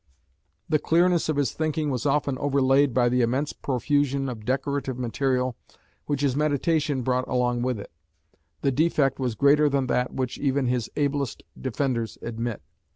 The clearness of his thinking was often overlaid by the immense profusion of decorative material which his meditation brought along with it. The defect was greater than that which even his ablest defenders admit.